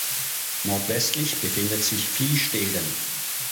Nordwestlich befindet sich Fliesteden.